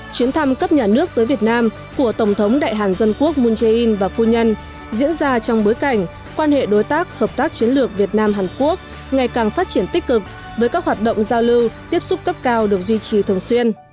chuyến thăm cấp nhà nước tới việt nam của tổng thống đại hàn dân quốc moon jae in và phu nhân diễn ra trong bối cảnh quan hệ đối tác hợp tác chiến lược việt nam hàn quốc ngày càng phát triển tích cực với các hoạt động giao lưu tiếp xúc cấp cao được duy trì thường xuyên